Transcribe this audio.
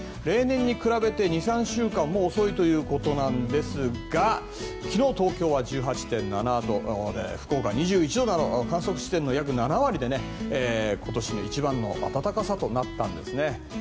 例年に比べて２３週間も遅いということですが昨日、東京は１８．７度で福岡、２１度など観測地点の約７割で今年一番の暖かさとなったんですね。